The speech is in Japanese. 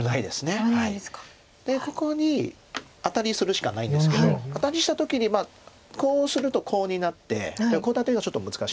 ここにアタリにするしかないんですけどアタリした時にこうするとコウになってコウ立てがちょっと難しい。